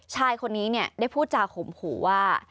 ชายคนนี้ได้พูดจาข่มขู่ว่า